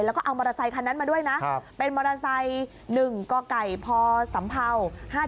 แล้วก็เอามอเตอร์ไซคันนั้นมาด้วยนะเป็นมอเตอร์ไซค์๑กไก่พศ๕๗